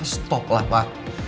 stop lah pak